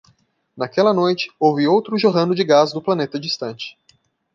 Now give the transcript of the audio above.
Naquela noite, houve outro jorrando de gás do planeta distante.